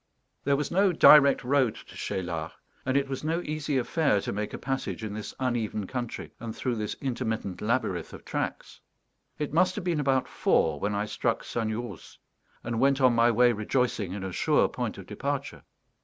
There was no direct road to Cheylard, and it was no easy affair to make a passage in this uneven country and through this intermittent labyrinth of tracks. It must have been about four when I struck Sagnerousse, and went on my way rejoicing in a sure point of departure.